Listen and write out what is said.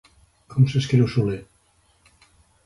Com s'escriu, Solé?